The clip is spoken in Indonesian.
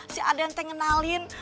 si aden teh ngenalin